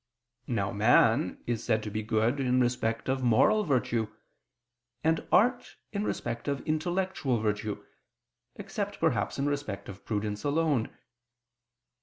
Now man is said to be good in respect of moral virtue, and art in respect of intellectual virtue, except perhaps in respect of prudence alone.